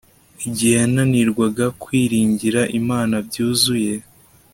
igihe yananirwaga kwiringira Imana byuzuye